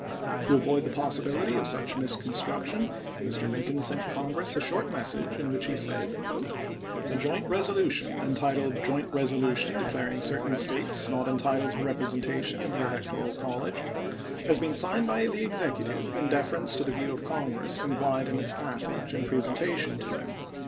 To avoid the possibility of such misconstruction, Mr. Lincoln sent Congress a short message, in which he said: The joint resolution, entitled " Joint resolution declar ing certain States not entitled to representation in the electoral college," has been signed by the Executive, in deference to the view of Congress implied in its passage and presentation to him.